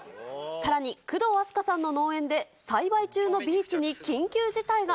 さらに、工藤阿須加さんの農園で、栽培中のビーツに緊急事態が。